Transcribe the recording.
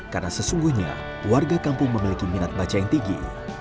karena sesungguhnya warga kampung memiliki minat baca yang tinggi